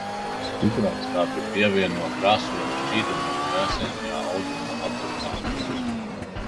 Citronskābi pievieno krāsvielu šķīdumiem krāsainajā audumu apdrukā.